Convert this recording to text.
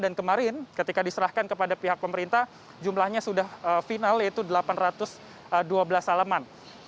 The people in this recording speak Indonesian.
dan kemarin ketika diserahkan kepada pihak pemerintah jumlahnya sudah final yaitu delapan ratus dua belas halaman